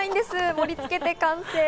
盛り付けて完成。